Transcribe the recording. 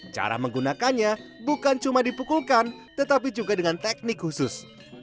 cara menggunakannya bukan cuma dipukulkan tetapi juga dengan teknik khusus